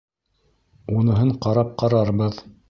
Уныһын ҡарап ҡарарбыҙ.